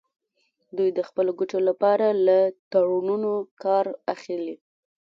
دوی د خپلو ګټو لپاره له تړونونو کار اخلي